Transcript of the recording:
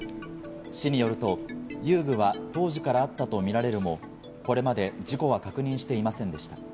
市によると、遊具は当時からあったとみられるも、これまで事故は確認していませんでした。